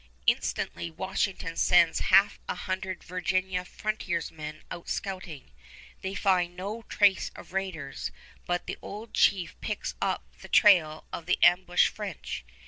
Instantly Washington sends half a hundred Virginia frontiersmen out scouting. They find no trace of raiders, but the old chief picks up the trail of the ambushed French.